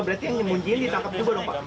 berarti yang nyemujiin ditangkap juga dong pak